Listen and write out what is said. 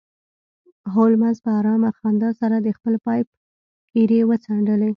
هولمز په ارامه خندا سره د خپل پایپ ایرې وڅنډلې